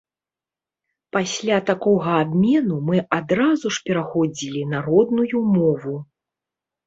Пасля такога абмену мы адразу ж пераходзілі на родную мову.